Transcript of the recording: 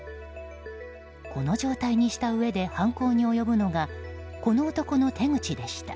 この状態にしたうえで犯行に及ぶのがこの男の手口でした。